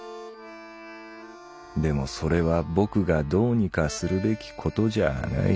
でもそれは僕がどうにかするべきことじゃあない。